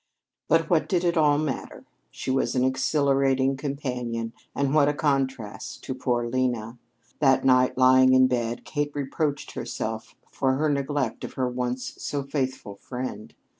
But what did it all matter? She was an exhilarating companion and what a contrast to poor Lena! That night, lying in bed, Kate reproached herself for her neglect of her once so faithful friend.